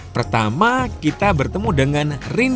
pertama kita bertemu dengan rindu